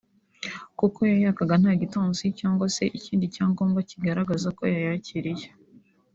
kuko yayakaga nta gitansi cyangwa se ikindi cyangombwa kigaragaza ko yayakiriye